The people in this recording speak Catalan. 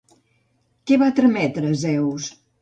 Què va trametre Zeus?